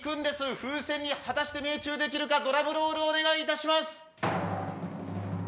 風船に果たして命中できるか、ドラムロールお願いいたします。